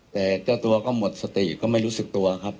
แต่เจ้าตัวก็หมดสติก็ไม่รู้สึกตัวครับ